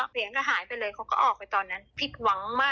พอเขาชะงอกดูเขาเห็นมีคนอ่ะ